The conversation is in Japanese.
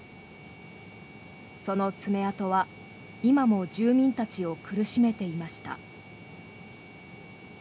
その爪痕は今も住民たちを苦しめていました。